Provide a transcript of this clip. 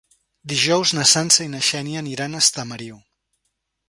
Dijous na Sança i na Xènia aniran a Estamariu.